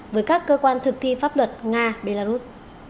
với các cơ quan thực thi pháp luật nga belarus